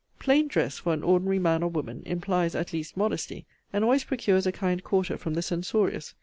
Plain dress, for an ordinary man or woman, implies at least modesty, and always procures a kind quarter from the censorious.